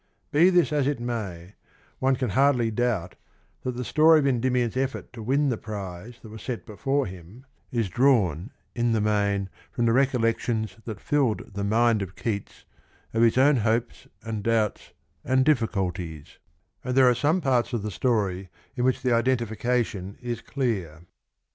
Be this as it may, one can hardly doubt that the story of Endymion's effort to win the prize that was set before him is drawn in the main from the recollections that filled the mind of Keats of his own hopes and doubts and difficulties, and there are some parts of the story in which the identification is clear.